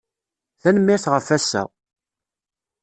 Tanemmirt ɣef wass-a.